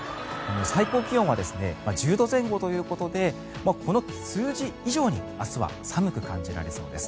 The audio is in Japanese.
最高気温は１０度前後ということでこの数字以上に明日は寒く感じられそうです。